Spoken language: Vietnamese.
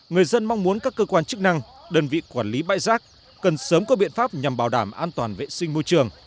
người dân mong muốn các cơ quan chức năng đơn vị quản lý bãi rác cần sớm có biện pháp nhằm bảo đảm an toàn vệ sinh môi trường